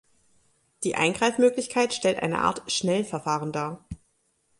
Die Eingreifmöglichkeit stellt eine Art Schnellverfahren dar.